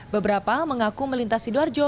beberapa mengaku melintasi duarjo